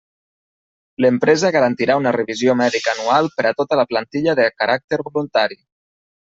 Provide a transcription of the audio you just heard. L'empresa garantirà una revisió mèdica anual per a tota la plantilla de caràcter voluntari.